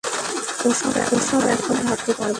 ওসব এখন ভাবতে পারব না।